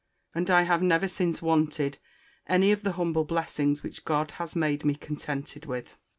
And I have never since wanted any of the humble blessings which God has made me contented with.